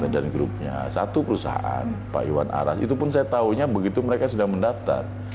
dan grupnya satu perusahaan pak iwan aras itu pun saya taunya begitu mereka sudah mendatang